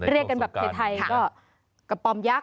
เรียกกันแบบไทยก็กระป๋อมยักษ